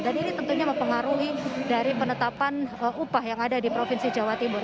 dan ini tentunya mempengaruhi dari penetapan upah yang ada di provinsi jawa timur